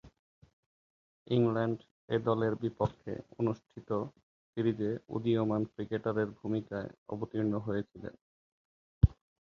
England এ-দলের বিপক্ষে অনুষ্ঠিত সিরিজে উদীয়মান ক্রিকেটারের ভূমিকায় অবতীর্ণ হয়েছিলেন।